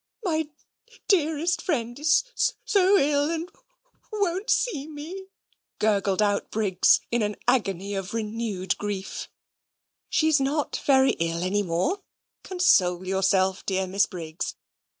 "My dearest friend is so ill, and wo o on't see me," gurgled out Briggs in an agony of renewed grief. "She's not very ill any more. Console yourself, dear Miss Briggs.